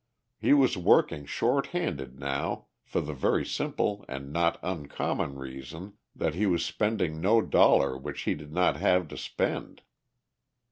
He was working short handed now for the very simple and not uncommon reason that he was spending no dollar which he did not have to spend.